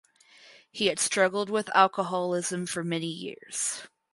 He had struggled with alcoholism for many years.